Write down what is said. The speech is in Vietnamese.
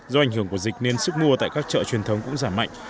do ảnh hưởng của dịch nên sức mua tại các chợ truyền thống cũng giảm mạnh